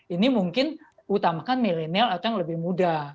ini mungkin utamakan milenial atau yang lebih muda